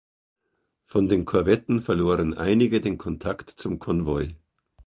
Von den Korvetten verloren einige den Kontakt zum Konvoi.